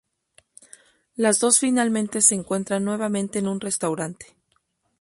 Las dos finalmente se encuentran nuevamente en un restaurante.